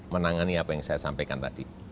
menangani apa yang saya sampaikan tadi